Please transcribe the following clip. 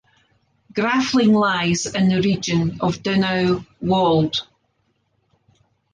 Grafling lies in the region of Donau-Wald